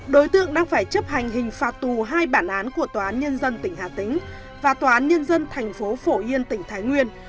đối tượng đang phải chấp hành hình phạt tù hai bản án của tòa án nhân dân tỉnh hà tĩnh và tòa án nhân dân thành phố phổ yên tỉnh thái nguyên